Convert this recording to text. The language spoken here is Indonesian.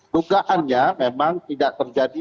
tugaannya memang tidak terjadi